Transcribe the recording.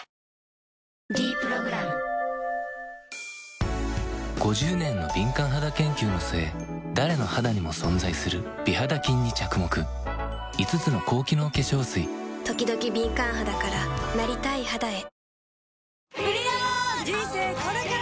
「ｄプログラム」５０年の敏感肌研究の末誰の肌にも存在する美肌菌に着目５つの高機能化粧水ときどき敏感肌からなりたい肌へ人生これから！